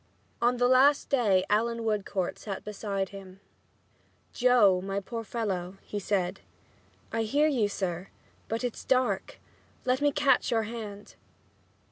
On the last day Allan Woodcourt sat beside him, "Joe, my poor fellow," he said. "I hear you, sir, but it's dark let me catch your hand."